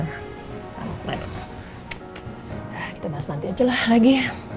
kita bahas nanti aja lah lagi ya